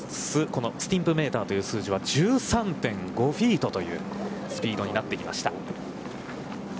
このスティンプメーターという数字は１３．５フィートというスピードになってきました。